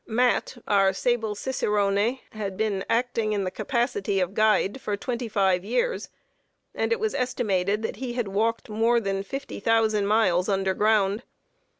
"Mat," our sable cicerone, had been acting in the capacity of guide for twenty five years, and it was estimated that he had walked more than fifty thousand miles under ground.